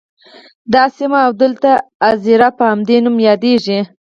دا سیمه او دلته اَذيره په همدې نوم یادیږي.